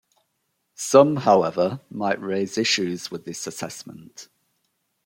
Some, however, might raise issues with this assessment.